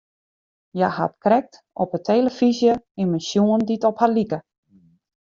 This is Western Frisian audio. Hja hat krekt op 'e telefyzje immen sjoen dy't op har like.